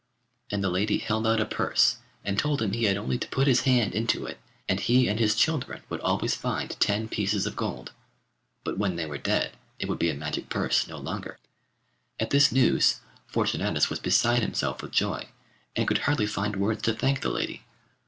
And the lady held out a purse and told him he had only to put his hand into it, and he and his children would always find ten pieces of gold. But when they were dead it would be a magic purse no longer. At this news Fortunatus was beside himself with joy, and could hardly find words to thank the lady.